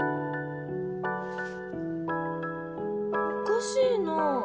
おかしいなぁ。